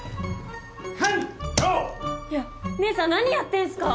いや姐さん何やってんすか？